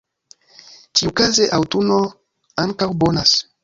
Ĉiukaze, aŭtuno ankaŭ bonas.